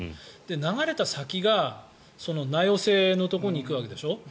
流れた先が名寄せのところに行くわけでしょ。